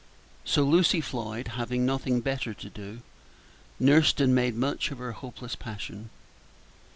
So Lucy Floyd, having nothing better to do, nursed and made much of her hopeless passion.